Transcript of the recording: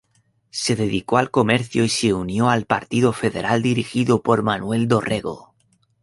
Se dedicó al comercio y se unió al partido federal dirigido por Manuel Dorrego.